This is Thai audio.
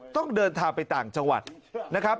ต้องเดินทางไปต่างจังหวัดนะครับ